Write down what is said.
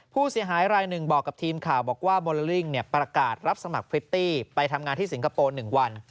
ผู้เสียหายรายหนึ่งบอกกับทีมข่าวบอกว่าโมเลลิ่งประกาศรับสมัครพริตตี้ไปทำงานที่สิงคโปร์๑วัน